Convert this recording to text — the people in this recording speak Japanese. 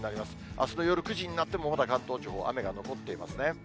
あすの夜９時になっても、まだ関東地方、雨が残っていますね。